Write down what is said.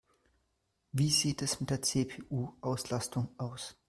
Wie sieht es mit der CPU-Auslastung aus?